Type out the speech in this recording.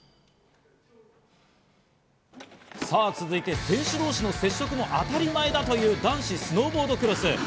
続いて、選手同士の接触も当たり前だという男子スノーボードクロス。